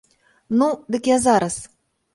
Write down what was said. Ну, дык я зараз.